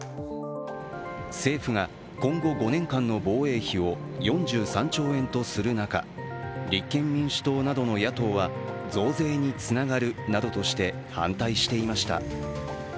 政府が今後５年間の防衛費を４３兆円とする中立憲民主党などの野党は増税につながるなどとして反対していました。